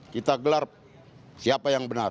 kita gelar siapa yang benar